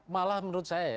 malah menurut saya ya